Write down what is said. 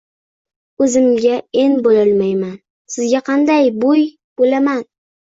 — O’zimga en bo‘lolmayman, sizga qanday bo‘y bo‘la-man?